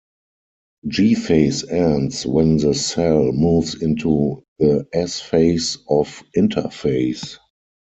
G phase ends when the cell moves into the S phase of interphase.